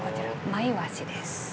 マイワシです。